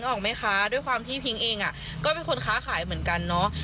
ออกไหมคะด้วยความที่พิ้งเองก็เป็นคนค้าขายเหมือนกันเนาะ